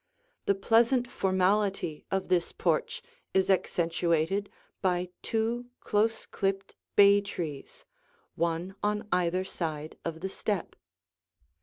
The pleasant formality of this porch is accentuated by two close clipped bay trees, one on either side of the step.